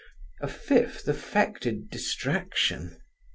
A fifth affected distraction.